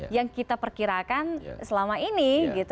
yang kita perkirakan selama ini